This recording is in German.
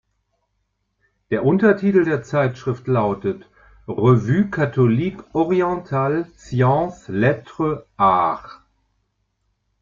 Der Untertitel der Zeitschrift lautet "Revue Catholique Orientale, Sciences, Lettres, Arts".